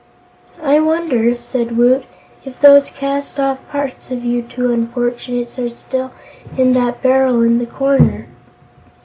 "I wonder," said Woot, "if those cast off parts of you two unfortunates are still in that barrel in the corner?"